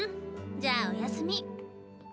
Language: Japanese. じゃあおやすみ。